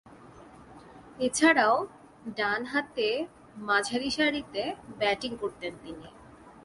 এছাড়াও, ডানহাতে মাঝারিসারিতে ব্যাটিং করতেন তিনি।